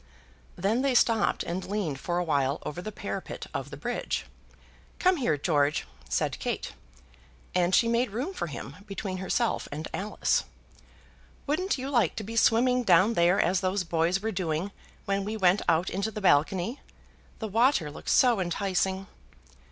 Then they stopped and leaned for a while over the parapet of the bridge. "Come here, George," said Kate; and she made room for him between herself and Alice. "Wouldn't you like to be swimming down there as those boys were doing when we went out into the balcony? The water looks so enticing."